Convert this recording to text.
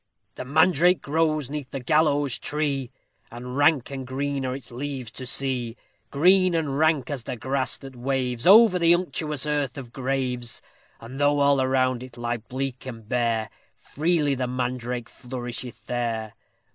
The mandrake grows 'neath the gallows tree, And rank and green are its leaves to see; Green and rank, as the grass that waves Over the unctuous earth of graves; And though all around it lie bleak and bare, Freely the mandrake flourisheth there.